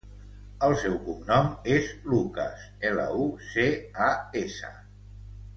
El seu cognom és Lucas: ela, u, ce, a, essa.